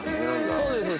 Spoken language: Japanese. そうですよね？